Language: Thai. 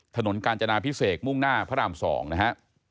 ถนนกาญจนาพิเศษมุ่งหน้าพระราม๒นะฮะ